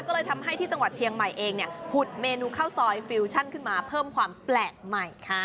ก็เลยทำให้ที่จังหวัดเชียงใหม่เองเนี่ยผุดเมนูข้าวซอยฟิวชั่นขึ้นมาเพิ่มความแปลกใหม่ค่ะ